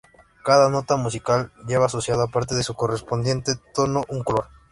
Cada nota musical lleva asociado aparte de su correspondiente tono un color.